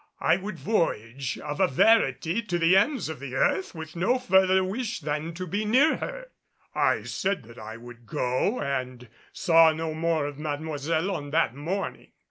I would voyage of a verity to the ends of the earth with no further wish than to be near her. I said that I would go, and saw no more of Mademoiselle on that morning.